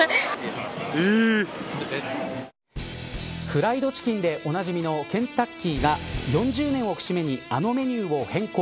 フライドチキンでおなじみのケンタッキーが４０年を節目にあのメニューを変更。